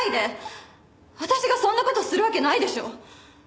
私がそんな事するわけないでしょ。